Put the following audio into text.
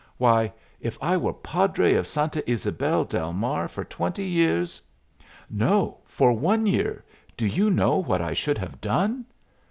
Why, if I were Padre of Santa Ysabel del Mar for twenty years no! for one year do you know what I should have done?